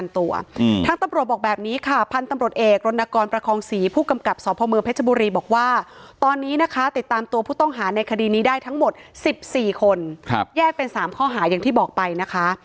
ในคดีนี้ได้ทั้งหมด๑๔คนแยกเป็น๓ข้อหาอย่างที่บอกไปนะคะ